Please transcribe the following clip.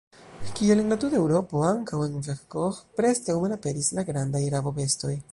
Kiel en la tuta Eŭropo, ankaŭ en Vercors preskaŭ malaperis la grandaj rabobestoj.